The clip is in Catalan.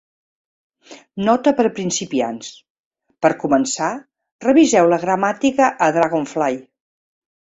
Nota per a principiants: per començar, reviseu la gramàtica a Dragonfly.